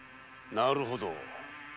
なるほど。